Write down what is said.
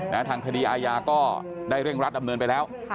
ทางคดีอาญาก็ได้เร่งรัดดำเนินไปแล้ว